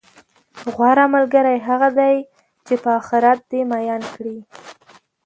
غوره ملګری هغه دی، چې پر اخرت دې میین کړي،